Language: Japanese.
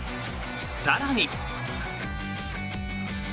更に。